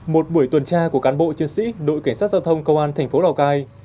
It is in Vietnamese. một buổi tuần tra của cán bộ chiến sĩ đội cảnh sát giao thông công an thành phố lào cai